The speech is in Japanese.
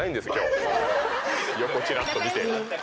横ちらっと見て。